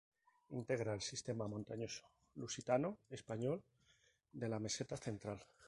Integra el sistema montañoso lusitano-español de la Meseta Central.